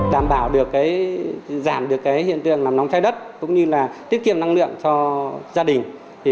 đảm bảo giảm được hiện tượng làm nóng chai đất cũng như tiết kiệm năng lượng cho gia đình